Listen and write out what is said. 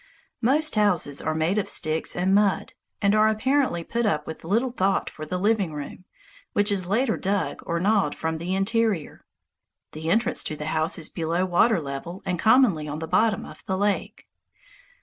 Most houses are made of sticks and mud, and are apparently put up with little thought for the living room, which is later dug or gnawed from the interior. The entrance to the house is below water level, and commonly on the bottom of the lake.